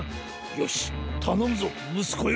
よしたのむぞむすこよ！